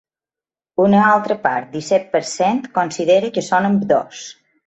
Un altra part disset per cent considera que són ambdós.